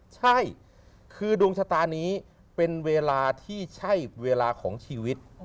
ใช่คือดวงชะตานี้เป็นเวลาที่ใช่เวลาของชีวิต